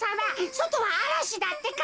そとはあらしだってか。